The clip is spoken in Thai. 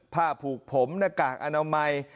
ผ้าผูกผมหน้ากากอนามัย